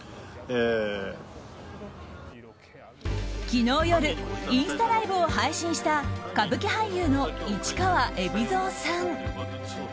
昨日夜インスタライブを配信した歌舞伎俳優の市川海老蔵さん。